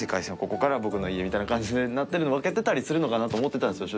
ここからは僕の家みたいな感じでなってる分けてたりするのかなと思ってたんですよ